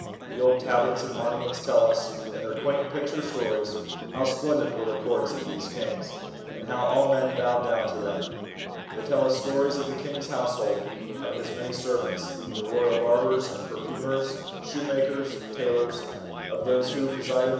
The old tablets and monuments tell us, in their quaint picture stories, how splendid were the courts of these kings, and how all men bowed down to them. They tell us * stories of the king's household : of his many servants, the royal barbers and perfunurs, shoemakers, tailors ; of those who presided over B.